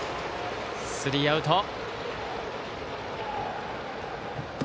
スリーアウト。